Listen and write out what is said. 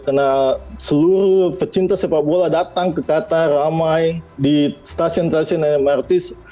karena seluruh pecinta sepak bola datang ke qatar ramai di stasiun stasiun mrt